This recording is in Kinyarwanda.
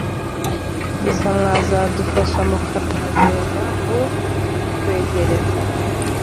gusa mwadufasha mukazagenda mbuitwegereza